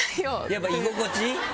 やっぱ居心地？